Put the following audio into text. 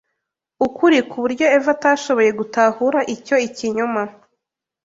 ukuri ku buryo Eva atashoboye gutahura icyo ikinyoma